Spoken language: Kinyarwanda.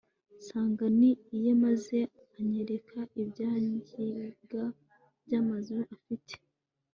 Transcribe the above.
nsanga ni iye maze anyereka ibyangimbwa byamazu afite